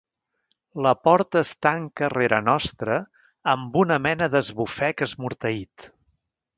La porta es tanca rere nostre amb una mena d'esbufec esmorteït.